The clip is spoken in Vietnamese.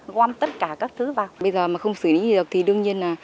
gom tất cả các thứ vào bây giờ mà không xử lý được thì đương nhiên là